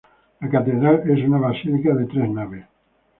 La catedral es una basílica de tres naves.